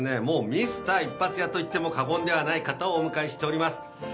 もうミスター一発屋と言っても過言ではない方をお迎えしております